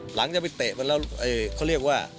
หลังจากไปเตะมันแล้วเขาเรียกว่า